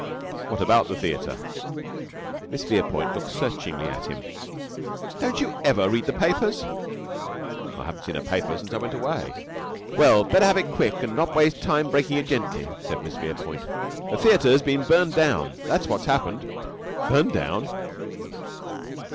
"What about the theater?" Miss Verepoint looked searchingly at him. "Don't you ever read the papers?" "I haven't seen a paper since I went away." "Well, better have it quick and not waste time breaking it gently," said Miss Verepoint. "The theater's been burned down that's what's happened." "Burned down?"